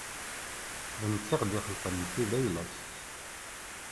D netta i aɣ-d-ixelqen, nekkni d ayla-s.